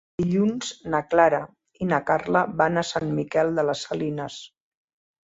Dilluns na Clara i na Carla van a Sant Miquel de les Salines.